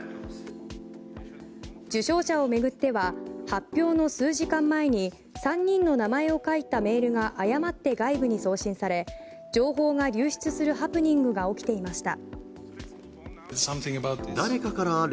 受賞者を巡っては発表の数時間前に３人の名前を書いたメールが誤って外部に送信され情報が流出するハプニングが起きていました。